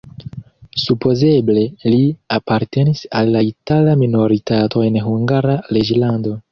Supozeble li apartenis al la itala minoritato en Hungara reĝlando.